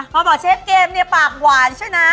พอบอกเชฟเกมเนี่ยปากหวานใช่ไหม